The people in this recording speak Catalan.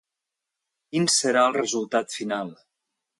Quin serà el resultat final?